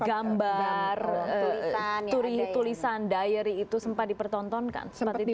gambar tulisan diary itu sempat dipertontonkan